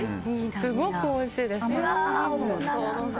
すごくおいしいです。